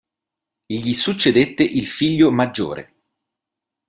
Gli succedette il figlio maggiore.